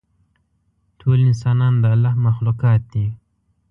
ټول انسانان د الله مخلوقات دي.